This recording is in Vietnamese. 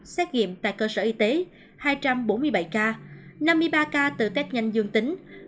xét nghiệm tại cơ sở y tế hai trăm bốn mươi bảy ca năm mươi ba ca từ tết nhanh dương tính